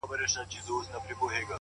ځوان د تکي زرغونې وني نه لاندي ـ